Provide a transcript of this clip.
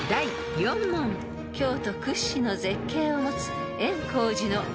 ［京都屈指の絶景を持つ］